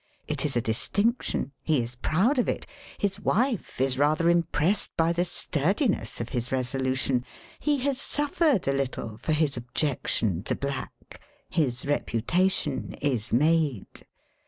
It is a distinction. He is proud of it. His wife is rather impressed by the sturdiness of his resolution. He has suf fered a little for his objection to black. His reputation is made.